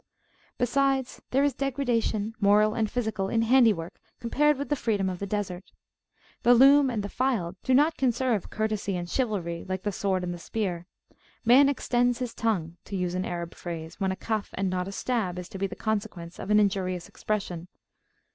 Besides, there is degradation, moral and physical, in handiwork compared with the freedom of the Desert. The loom and the file do not conserve courtesy and chivalry like the sword and spear; man extends his tongue, to use an Arab phrase, when a cuff and not a stab is to be the consequence of an injurious expression.